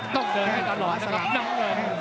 ต้องเดินให้ตลอดนะครับน้องเงิน